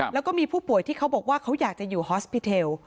แล้วก็มีผู้ป่วยที่เขาบอกว่าเขาอยากจะอยู่ฮอสปิเทล